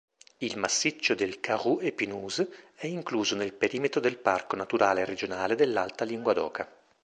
Il massiccio del Caroux-Espinouse è incluso nel perimetro del Parco naturale regionale dell'Alta Linguadoca.